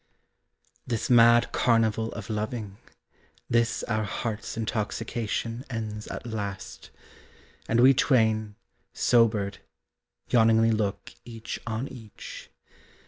This mad carnival of loving, This our heart's intoxication Ends at last, and we twain, sobered, Yawningly look each on each.